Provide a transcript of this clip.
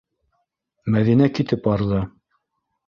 Мәҙинә китеп барҙы.